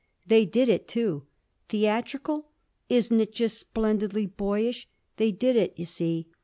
They did it, too. Theatrical? Isn't it just splendidly boyish? They did it, you see.